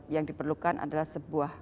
yang diperlukan adalah sebuah